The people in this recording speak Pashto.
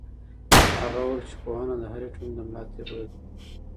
هغه وویل چې پوهنه د هرې ټولنې د ملا تیر بلل کېږي.